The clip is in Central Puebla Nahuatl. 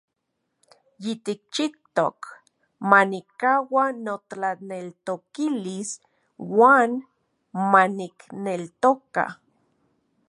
Yitikchijtok manikkaua notlaneltokilis uan manikneltoka.